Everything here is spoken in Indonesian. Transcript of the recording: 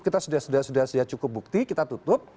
kita sudah cukup bukti kita tutup